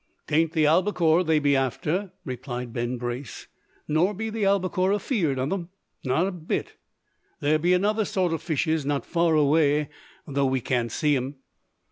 "'T ain't the albacore they be after," replied Ben Brace, "nor be the albacore afeerd o' them, not a bit. There be another sort o' fishes not far away, though we can't see 'em.